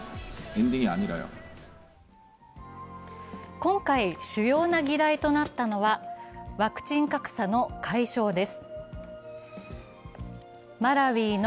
今回、主要な議題となったのはワクチン格差の解消です。